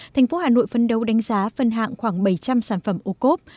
thành phố hà nội phân đấu đánh giá phân hạng khoảng bảy trăm linh sản phẩm ocob